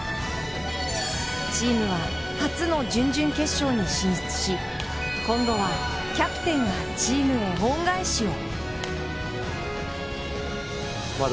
チームは初の準々決勝に進出し今度はキャプテンがチームへ恩返しを。